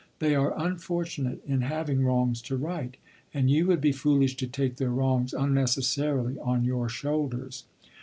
They are unfortunate in having wrongs to right, and you would be foolish to take their wrongs unnecessarily on your shoulders.